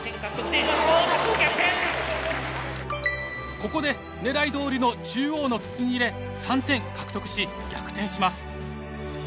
ここで狙いどおりの中央の筒に入れ３点獲得し逆転します。